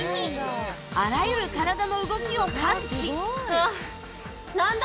あらゆる体の動きを感知なんだ？